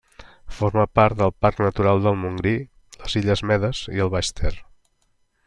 Forma part del Parc Natural del Montgrí, les Illes Medes i el Baix Ter.